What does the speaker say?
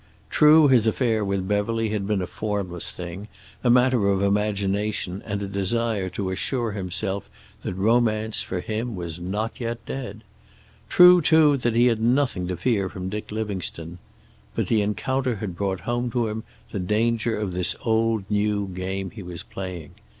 True, his affair with Beverly had been a formless thing, a matter of imagination and a desire to assure himself that romance, for him, was not yet dead. True, too, that he had nothing to fear from Dick Livingstone. But the encounter had brought home to him the danger of this old new game he was playing.